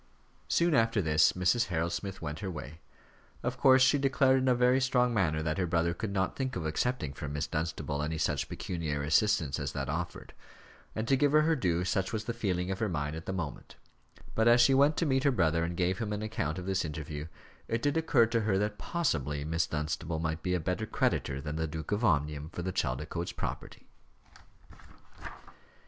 Soon after this, Mrs. Harold Smith went her way. Of course, she declared in a very strong manner that her brother could not think of accepting from Miss Dunstable any such pecuniary assistance as that offered and, to give her her due, such was the feeling of her mind at the moment; but as she went to meet her brother and gave him an account of this interview, it did occur to her that possibly Miss Dunstable might be a better creditor than the Duke of Omnium for the Chaldicotes property.